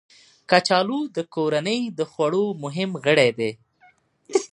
کچالو د کورنۍ د خوړو مهم غړی دی